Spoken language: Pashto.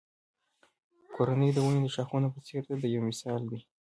کورنۍ د ونې د ښاخونو په څېر ده دا یو مثال دی.